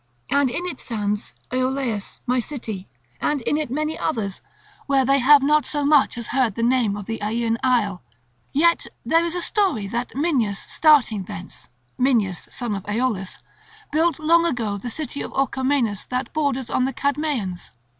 And in it stands Ioleus, my city, and in it many others, where they have not so much as heard the name of the Aeaean isle; yet there is a story that Minyas starting thence, Minyas son of Aeolus, built long ago the city of Orchomenus that borders on the Cadmeians.